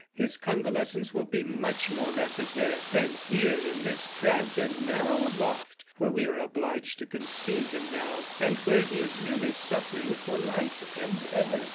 His convalescence will be much more rapid there, than here in this cramped and narrow loft, where we are obliged to conceal him now, and where he is really suffering for light and air."